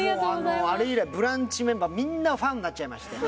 あれ以来ブランチメンバーみんなファンになっちゃいましてね